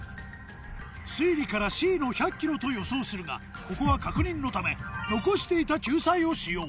推理からＣの１００ｋｇと予想するがここは確認のため残していた救済を使用